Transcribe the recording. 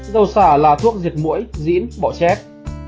dầu xả là thuốc diệt mũi diễn bọ chét